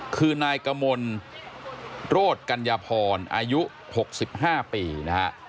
คือนายกมลโรธกัญญาพรอายุ๖๕ปีนะฮะ